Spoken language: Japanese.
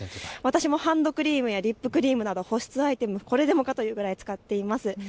私もハンドクリームやリップクリームなど保湿アイテム、、これでもかというくらい使っています。